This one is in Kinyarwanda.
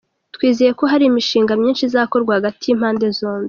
Twizeye ko hari imishinga myinshi izakorwa hagati y’impande zombi.